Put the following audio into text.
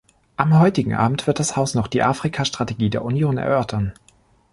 Am heutigen Abend wird das Haus noch die Afrika-Strategie der Union erörtern.